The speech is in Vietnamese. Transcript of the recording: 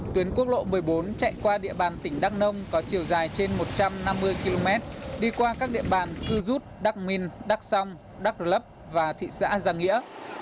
tuyến quốc lộ một mươi bốn chạy qua địa bàn tỉnh đắc nông có chiều dài trên một trăm năm mươi km đi qua các địa bàn cư rút đắc minh đắc sông đắc lập và thị xã giang nghĩa